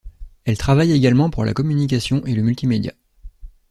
Elle travaille également pour la communication et le multimédia.